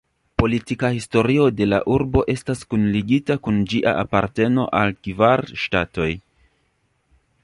Politika historio de la urbo estas kunligita kun ĝia aparteno al kvar ŝtatoj.